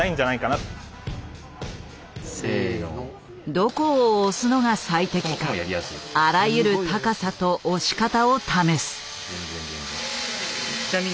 どこを押すのが最適かあらゆる高さと押し方を試す。